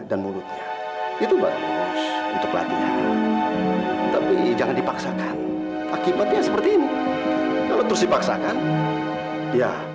sampai jumpa di video selanjutnya